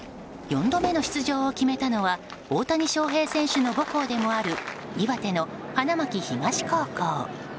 ４度目の出場を決めたのは大谷翔平選手の母校でもある岩手の花巻東高校。